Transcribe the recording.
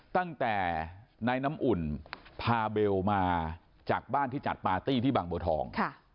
ตั้งแต่นายน้ำอุ่นพาเบลมาจากบ้านที่จัดปาร์ตี้ที่บางบัวทอง